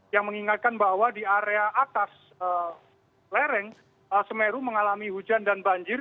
yang mengingatkan bahwa di area atas lereng semeru mengalami hujan dan banjir